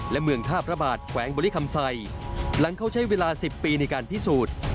และเมืองท่าพระบาทแขวงบริคำใส่หลังเขาใช้เวลา๑๐ปีในการพิสูจน์